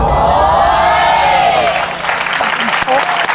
ยินดีครับ